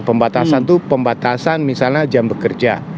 pembatasan itu pembatasan misalnya jam bekerja